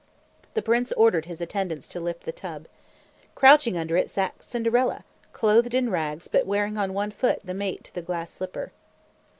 The prince ordered his attendants to lift the tub. Crouching under it sat Cinderella, clothed in rags but wearing on one foot the mate to the glass slipper.